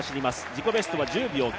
自己ベストは１０秒９５。